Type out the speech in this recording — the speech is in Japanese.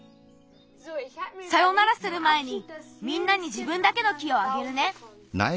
さよならするまえにみんなにじぶんだけの木をあげるね。